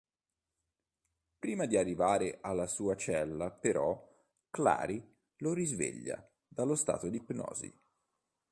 Prima di arrivare alla sua cella però Clary lo risveglia dallo stato di ipnosi.